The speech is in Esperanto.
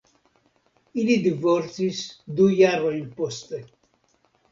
Ili divorcis du jarojn poste.